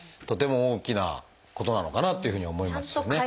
とても大きなことなのかなというふうに思いますよね。